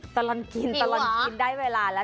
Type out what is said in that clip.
ตะลนกินได้เวลาแล้ว